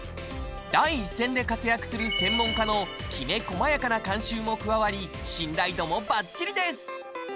第一線で活躍する専門家のきめこまやかな監修も加わり信頼度もバッチリです！